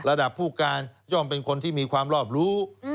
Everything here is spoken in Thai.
ระดับผู้การย่อมเป็นคนที่มีความรอบรู้